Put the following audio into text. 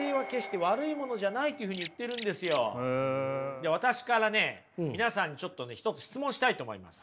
じゃあ私からね皆さんにちょっとね一つ質問をしたいと思います。